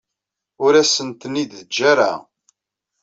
Ur asen-ten-id-teǧǧa ara.